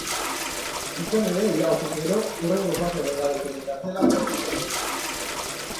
Izan ere, irabaziz gero, hurrengo fasera igarotzeko txartela gertu izango dute.